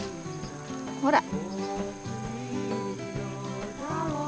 ほら！